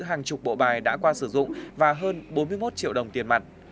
hàng chục bộ bài đã qua sử dụng và hơn bốn mươi một triệu đồng tiền mặt